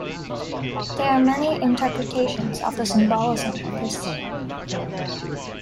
There are many interpretations of the symbolism of this seal.